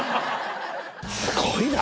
すごいな。